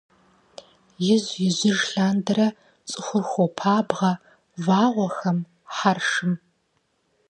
Ижь-ижьыж лъандэрэ цӏыхухэр хуопабгъэ вагъуэхэм, хьэршым.